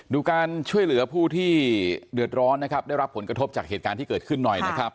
ดูการช่วยเหลือผู้ที่เดือดร้อนนะครับได้รับผลกระทบจากเหตุการณ์ที่เกิดขึ้นหน่อยนะครับ